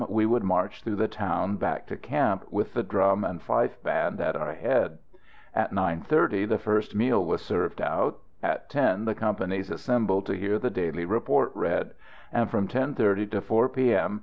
we would march through the town back to camp, with the drum and fife band at our head. At 9.30 the first meal was served out. At 10 the companies assembled to hear the daily "report" read; and from 10.30 to 4 P.M.